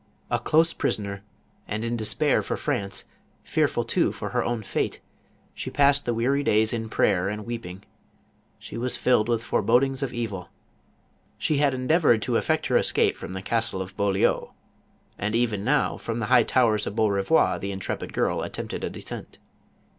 A close prisoner, and in despnir for France, fearful too for her own fate, she passed the weary days in prayer and weeping. She was filled with forebodings of evil. She hrd en deavored to effect her escape from the castle of Beau liL u, and even now from the high towers of Beaurevoir, the intrepid girl attempted a descent.